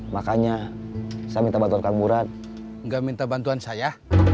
makanya saya minta bantuan kamburan nggak minta bantuan saya